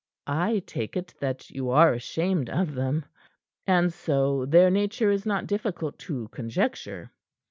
I take it that you are ashamed of them; and so, their nature is not difficult to conjecture."